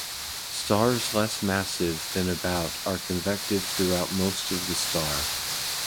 Stars less massive than about are convective throughout most of the star.